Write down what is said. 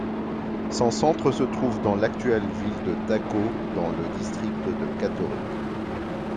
Son centre se trouve dans l'actuelle ville de Tako dans le district de Katori.